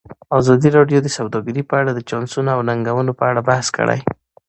ازادي راډیو د سوداګري په اړه د چانسونو او ننګونو په اړه بحث کړی.